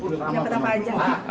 dapat apa aja